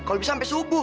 kalau bisa sampai subuh